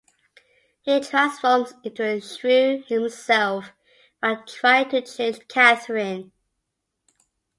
He transforms into a shrew himself while trying to change Katherine.